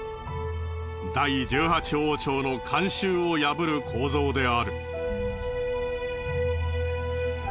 第１８王朝の慣習を破る構造である。